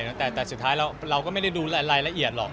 เนี่ยแต่สุดท้ายเราก็ไม่ได้ดูอะไรละเอียดหรอก